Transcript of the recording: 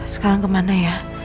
sekarang kemana ya